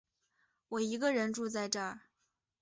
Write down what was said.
我一个人住在这